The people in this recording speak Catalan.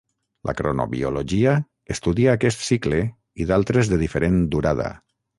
La cronobiologia estudia aquest cicle i d'altres de diferent durada.